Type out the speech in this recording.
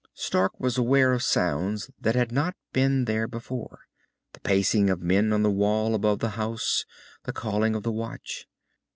Stark was aware of sounds that had not been there before the pacing of men on the Wall above the house, the calling of the watch.